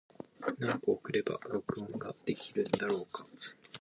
何個送れば録音ができるんだろうか。